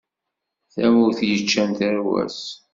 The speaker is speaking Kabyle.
Tamurt yeččan tarwa-s.